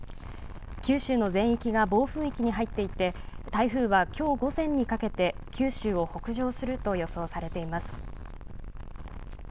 九州の全域が暴風域に入っていて台風はきょう午前にかけて九州を北上すると予想されています。